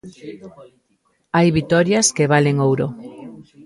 Hai vitorias que valen ouro.